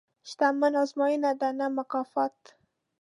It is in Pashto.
• شتمني ازموینه ده، نه مکافات.